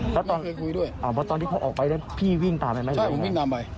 แล้วตอนไม่เคยคุยด้วยอ่าเพราะตอนที่เขาออกไปได้พี่วิ่งตามไปไม่ได้เลยใช่ผมวิ่งตามไป